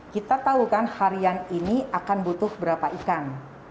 kita tahu kan harian ini akan butuh berapa ikan